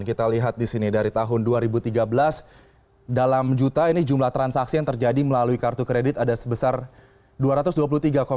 kita lihat di sini dari tahun dua ribu tiga belas dalam juta ini jumlah transaksi yang terjadi melalui kartu kredit ada sebesar dua ratus dua puluh tiga lima